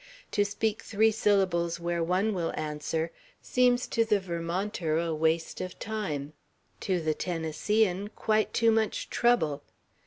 To speak three syllables where one will answer, seems to the Vermonter a waste of time; to the Tennesseean, quite too much trouble.